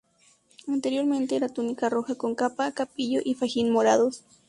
Anteriormente era túnica roja con capa, capillo y fajín morados.